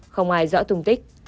không ai rõ thùng tích